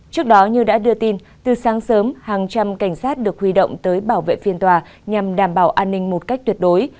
trước đó như đã đưa tin từ sáng sớm hàng trăm cảnh sát được huy động tới bảo vệ phiên tòa nhằm đảm bảo an ninh một cách tuyệt đối